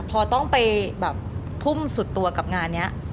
พอต้องไปแบบทุ่มสุดตัวกับงานนี้